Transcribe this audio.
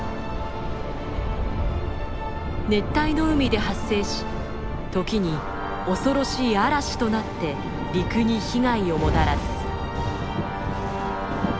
熱帯の海で発生し時に恐ろしい嵐となって陸に被害をもたらす。